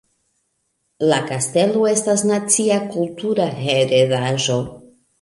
La kastelo estas nacia kultura heredaĵo.